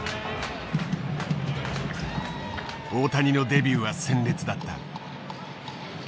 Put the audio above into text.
大谷のデビューは鮮烈だった。